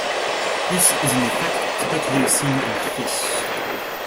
This is an effect typically seen in fish.